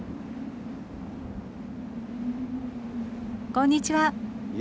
こんにちは。